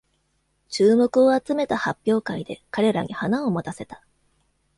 注目を集めた発表会で彼らに花を持たせた